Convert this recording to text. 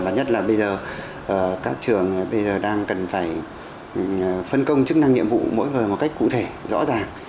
nhất là bây giờ các trường bây giờ đang cần phải phân công chức năng nhiệm vụ mỗi người một cách cụ thể rõ ràng